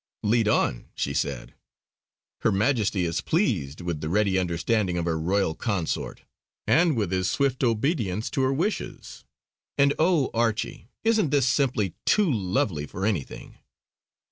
"Lead on!" she said. "Her Majesty is pleased with the ready understanding of her Royal Consort, and with his swift obedience to her wishes; and oh! Archie isn't this simply too lovely for anything!"